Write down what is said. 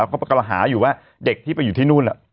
ก็กรหาอยู่ว่าเด็กที่ไปอยู่ที่นู่น